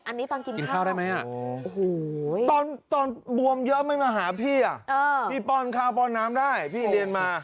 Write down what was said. อันนี้ตอนกินข้าวได้ไหมตอนบวมเยอะไม่มาหาพี่พี่ป้อนข้าวป้อนน้ำได้พี่เรียนมา